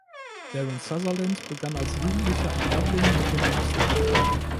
Darren Sutherland begann als Jugendlicher in Dublin mit dem Boxen.